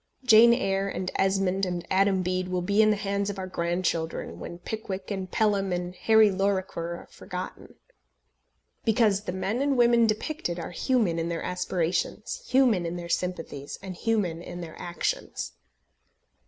Jane Eyre, and Esmond, and Adam Bede will be in the hands of our grandchildren, when Pickwick, and Pelham, and Harry Lorrequer are forgotten; because the men and women depicted are human in their aspirations, human in their sympathies, and human in their actions.